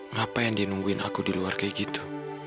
ngapain dia nungguin aku di luar kayak gitu